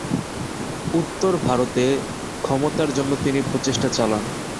উত্তর ভারতে ক্ষমতার জন্য তিনি প্রচেষ্টা চালান।